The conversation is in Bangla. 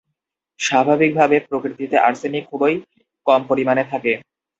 স্বাভাবিকভাবে প্রকৃতিতে আর্সেনিক খুবই কম পরিমাণে থাকে।